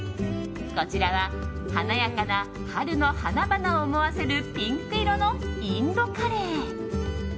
こちらは華やかな春の花々を思わせるピンク色のインドカレー。